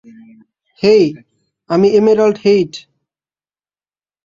হেই, আমি Emerald Heywood.